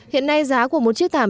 hiện nay giá của một chiếc thảm